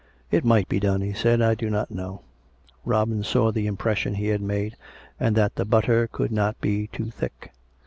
" It might be done," he said. " I do not know." Robin saw the impression he had made, and that the butter could not be too thick.